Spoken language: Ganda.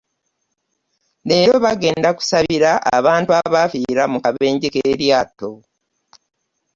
Leero bagenda kusabira abantu abaafiira mu kabenje k'eryato.